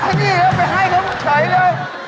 พี่เดี๋ยวไปให้เขาจะใส่เลย